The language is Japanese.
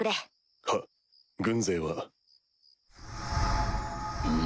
はっ軍勢は。